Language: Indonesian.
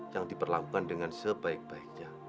yang diperlakukan dengan sebaik baiknya